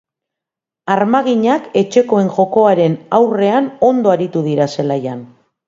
Armaginak etxekoen jokoaren aurrean ondo aritu dira zelaian.